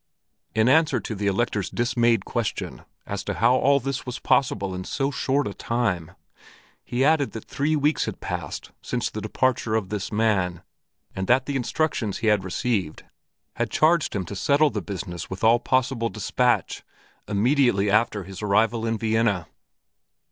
In answer to the Elector's dismayed question as to how all this was possible in so short a time, he added that three weeks had passed since the departure of this man and that the instructions he had received had charged him to settle the business with all possible dispatch immediately after his arrival in Vienna.